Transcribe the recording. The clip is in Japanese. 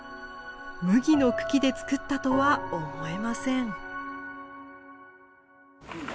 麦の茎で作ったとは思えません。